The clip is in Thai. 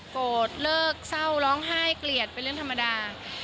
โกรธเลิกเศร้าร้องไห้เกลียดเป็นเรื่องธรรมดา